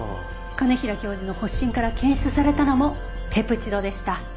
兼平教授の発疹から検出されたのもペプチドでした。